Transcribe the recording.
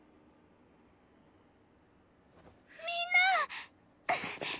みんな！